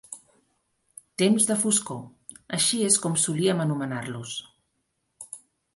Temps de foscor, així és com solíem anomenar-los.